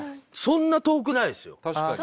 そんな遠くないですよ。